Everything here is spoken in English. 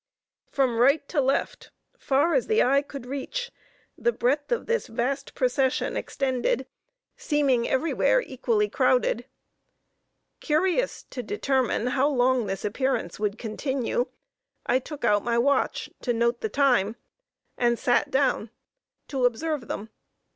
From right to left, far as the eye could reach, the breadth of this vast procession extended, seeming everywhere equally crowded. Curious to determine how long this appearance would continue, I took out my watch to note the time, and sat down to, observe them.